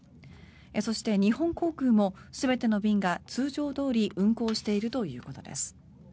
そして、日本航空も全ての便が通常どおり運航しているということです。